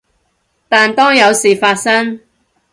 但當有事發生